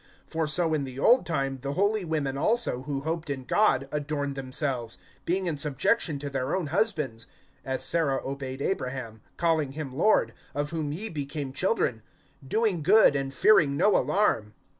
(5)For so in the old time the holy women also, who hoped in God, adorned themselves, being in subjection to their own husbands, (6)(as Sarah obeyed Abraham, calling him lord; of whom ye became children,) doing good, and fearing no alarm.